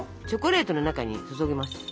チョコレートの中に注ぎます。